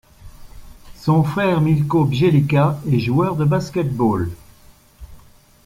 Son frère Milko Bjelica est joueur de basket-ball.